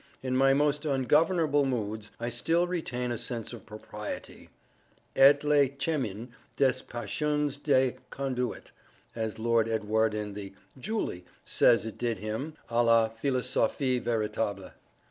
In my most ungovernable moods I still retain a sense of propriety, et le chemin des passions me conduit—as Lord Edouard in the "Julie" says it did him—à la philosophie véritable.